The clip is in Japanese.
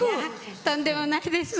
とんでもないです。